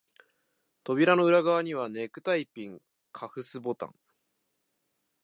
扉の裏側には、ネクタイピン、カフスボタン、